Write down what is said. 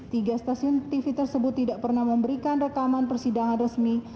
tiga stasiun tv tersebut tidak pernah memberikan rekaman persidangan resmi